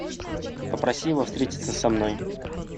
Попроси его встретиться со мной.